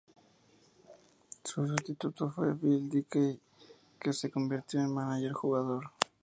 Su sustituto fue Bill Dickey, que se convirtió en manager-jugador.